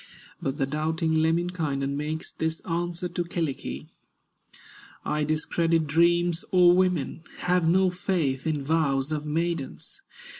But the doubting Lemminkainen Makes this answer to Kyllikki: "I discredit dreams of women, Have no faith in vows of maidens!